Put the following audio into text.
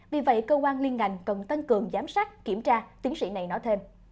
vì vậy cơ quan liên ngành cần tăng cường giám sát kiểm tra tiến sĩ này nói thêm